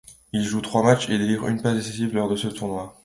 Il joue trois matchs et délivre une passe décisive lors de ce tournoi.